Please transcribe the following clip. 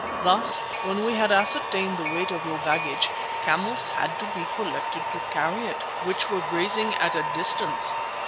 Thus, when we had ascertained the weight of your baggage, camels had to be collected to carry it, which were grazing at a distance.